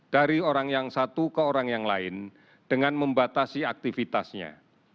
dari orang yang satu ke orang yang lain dengan membatasi aktivitasnya